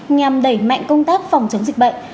nhằm đẩy mạnh công tác phòng chống dịch bệnh